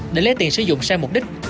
để lấy tiền sử dụng sang mục đích